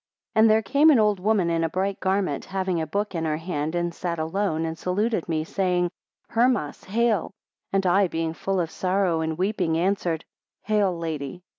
17 And there came an old woman in a bright garment, having a book in her hand, and sat alone, and saluted me, saying, Hermas, hail! and I being full of sorrow and weeping, answered, Hail Lady!